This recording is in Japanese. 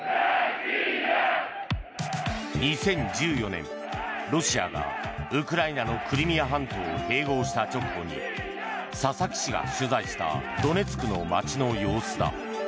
２０１４年、ロシアがウクライナのクリミア半島を併合した直後に佐々木氏が取材したドネツクの街の様子だ。